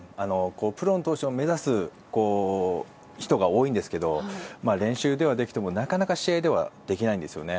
プロの投手を目指す人が多いんですが練習ではできても、なかなか試合ではできないんですね。